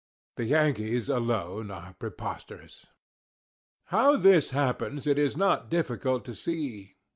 The Yankees alone are preposterous. How this happens, it is not difficult to see.